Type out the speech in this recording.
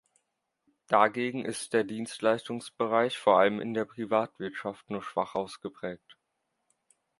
Dagegen ist der Dienstleistungsbereich, vor allem in der Privatwirtschaft, nur schwach ausgeprägt.